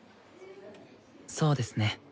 そうですね。